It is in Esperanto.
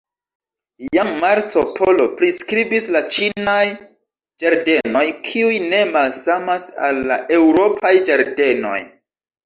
Jam Marco Polo priskribis la ĉinaj ĝardenoj, kiuj tute malsamas al la eŭropaj ĝardenoj.